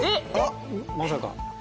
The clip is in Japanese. まさか。